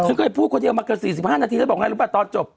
เคยพูดคนเดียวมาเกือบ๔๕นาทีแล้วบอกไงรู้ป่ะตอนจบ